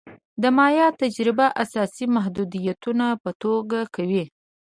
د مایا تجربه اساسي محدودیتونه په ګوته کوي.